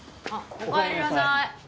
おかえりなさい。